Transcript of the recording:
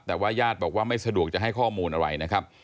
แต่ว่าญาติบอกว่าไม่สะดวกจะให้ข้อมูลอะไรนะครับ